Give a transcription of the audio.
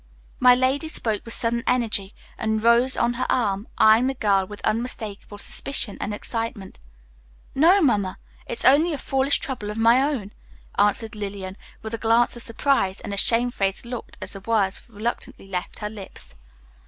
My lady spoke with sudden energy and rose on her arm, eyeing the girl with unmistakable suspicion and excitement. "No, Mamma, it's only a foolish trouble of my own," answered Lillian, with a glance of surprise and a shamefaced look as the words reluctantly left her lips.